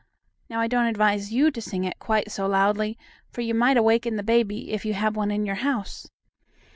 Now I don't advise you to sing it quite so loudly, for you might awaken the baby, if you have one in your house.